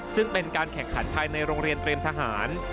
ซึ่งเป็นการแข่งขันภายในโรงเรียนเตรียมทหาร